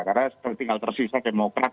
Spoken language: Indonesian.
karena tinggal tersisa demokrat